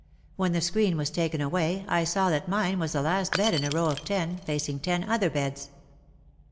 When the screen was taken away I saw that mine was the last bed in a row of ten, facing ten other beds.